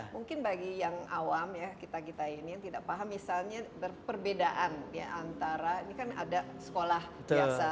mungkin bagi yang awam ya kita kita ini yang tidak paham misalnya perbedaan ya antara ini kan ada sekolah biasa